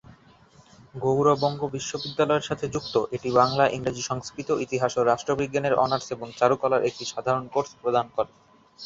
গৌড় বঙ্গ বিশ্ববিদ্যালয়ের সাথে যুক্ত, এটি বাংলা, ইংরেজি, সংস্কৃত, ইতিহাস ও রাষ্ট্রবিজ্ঞানের অনার্স এবং চারুকলার একটি সাধারণ কোর্স প্রদান করে।